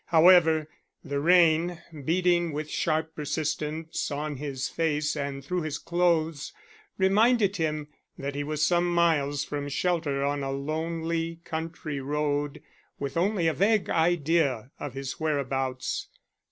However, the rain, beating with sharp persistence on his face and through his clothes, reminded him that he was some miles from shelter on a lonely country road, with only a vague idea of his whereabouts.